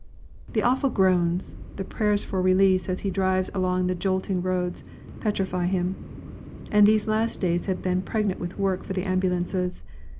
The awful groans, the prayers for release as he drives along the jolting roads, petrify him. And these last days have been pregnant with work for the ambulances.